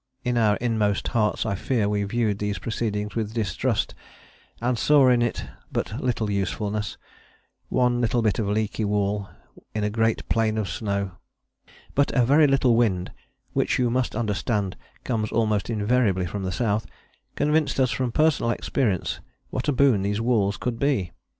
In our inmost hearts I fear we viewed these proceedings with distrust, and saw in it but little usefulness, one little bit of leaky wall in a great plain of snow. But a very little wind (which you must understand comes almost invariably from the south) convinced us from personal experience what a boon these walls could be.